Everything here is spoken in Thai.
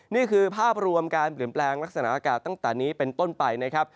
นี่คือภาพรวมการเปลี่ยนแปลงลักษณะอากาศตั้งแต่นี้เป็นต้นไปนะครับ